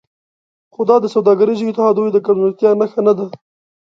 خو دا د سوداګریزو اتحادیو د کمزورتیا نښه نه ده